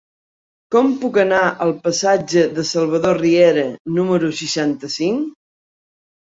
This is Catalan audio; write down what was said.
Com puc anar al passatge de Salvador Riera número seixanta-cinc?